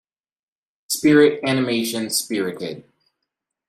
Spirit animation Spirited.